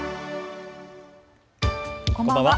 こんばんは。